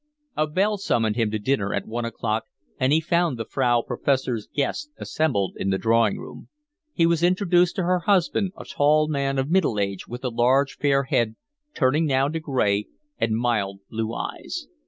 A bell summoned him to dinner at one o'clock, and he found the Frau Professor's guests assembled in the drawing room. He was introduced to her husband, a tall man of middle age with a large fair head, turning now to gray, and mild blue eyes.